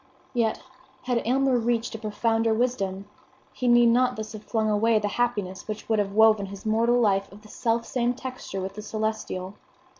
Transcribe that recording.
Yet, had Alymer reached a profounder wisdom, he need not thus have flung away the happiness which would have woven his mortal life of the selfsame texture with the celestial.